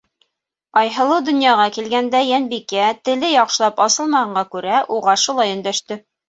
Айһылыу донъяға килгәндә Йәнбикә, теле яҡшылап асылмағанға күрә, уға шулай өндәште.